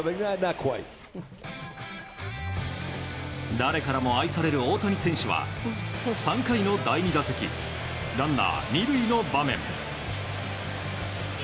誰からも愛される大谷選手は３回の第２打席ランナー２塁の場面。